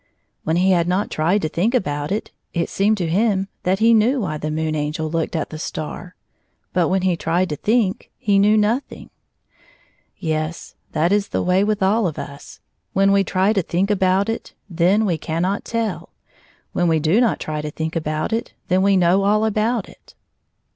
When he had not tried to think about it, it seemed to him that he knew why the Moon Angel looked at the star, but when he tried to think he knew nothing. Yes ; that is the way with all of us — when we try to think about it, then we cannot teU ; when we do not try to think about it, then we know all , about it.